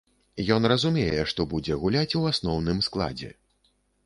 Ён разумее, што будзе гуляць у асноўным складзе.